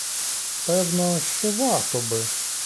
Певно, що варто би.